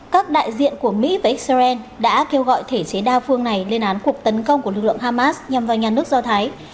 các đại diện của mỹ và israel đã kêu gọi thể chế đa phương này lên án cuộc tấn công của lực lượng hamas nhằm vào nhà nước do thái